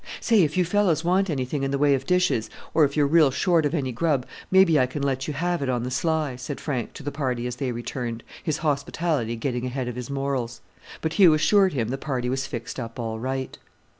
"Say! if you fellows want anything in the way of dishes, or if you're real short of any grub, maybe I can let you have it on the sly," said Frank to the party as they returned, his hospitality getting ahead of his morals. But Hugh assured him the party was fixed up all right.